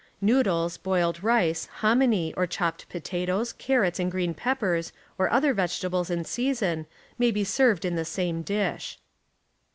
Noodles, boiled rice, hominy, or chopped potatoes, carrots and green peppers or other vegetables in season, may be served in the same dish.